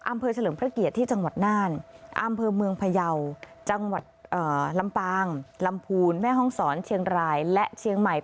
เฉลิมพระเกียรติที่จังหวัดน่านอำเภอเมืองพยาวจังหวัดลำปางลำพูนแม่ห้องศรเชียงรายและเชียงใหม่